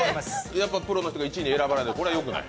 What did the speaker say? やっぱプロの人が１位に選ばれない、これはよくない？